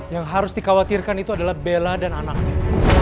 yang harus dikhawatirkan itu adalah bela dan anaknya